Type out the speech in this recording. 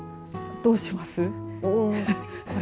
どうします。